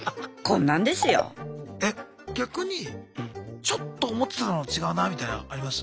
え逆にちょっと思ってたのと違うなみたいのあります？